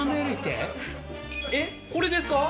えっこれですか？